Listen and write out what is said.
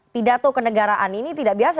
pidato kenegaraan ini tidak biasa